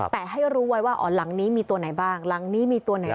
แต่ให้รู้ไว้ว่าอ๋อหลังนี้มีตัวไหนบ้างหลังนี้มีตัวไหนบ้าง